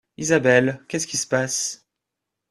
Isabelle, qu’est-ce qui se passe?